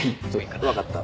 わかった。